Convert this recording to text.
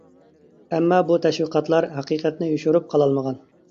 ئەمما بۇ تەشۋىقاتلار ھەقىقەتنى يوشۇرۇپ قالالمىغان.